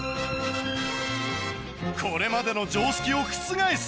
これまでの常識を覆す！